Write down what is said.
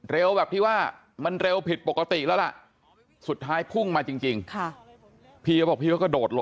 แบบที่ว่ามันเร็วผิดปกติแล้วล่ะสุดท้ายพุ่งมาจริงพี่เขาบอกพี่ก็กระโดดลง